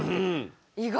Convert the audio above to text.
意外！